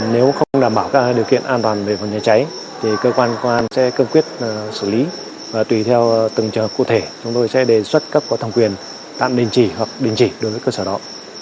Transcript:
nếu không đảm bảo các điều kiện an toàn về phòng cháy cháy thì cơ quan sẽ cơ quyết xử lý và tùy theo từng trường hợp cụ thể chúng tôi sẽ đề xuất các cơ thông quyền tạm đình chỉ hoặc đình chỉ đối với cơ sở đó